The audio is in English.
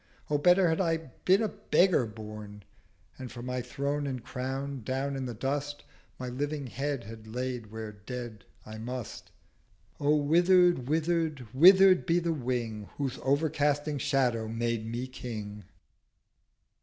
O better had I been a Beggar born, And for my Throne and Crown, down in the Dust My living Head had laid where Dead I must! O wither'd, wither'd, wither'd, be the Wing Whose overcasting Shadow made me King!'